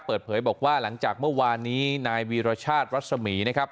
เปิดเผยบอกว่าหลังจากเมื่อวานนี้นายวีรชาติรัศมีนะครับ